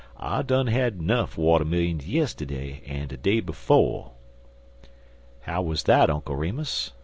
I done had nuff watermillions yistiddy an' de day befo'." "How was that, Uncle Remus?"